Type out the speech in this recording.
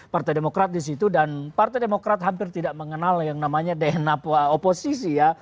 partai demokrat di situ dan partai demokrat hampir tidak mengenal yang namanya dna oposisi ya